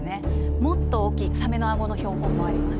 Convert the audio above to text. もっと大きいサメの顎の標本もあります。